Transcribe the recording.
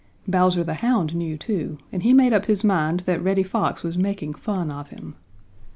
Bowser the Hound knew, too, and he made up his mind that Reddy Fox was making fun of him.